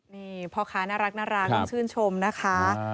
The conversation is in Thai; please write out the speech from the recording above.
นี่พ่อค้าน่ารักต้องชื่นชมนะคะ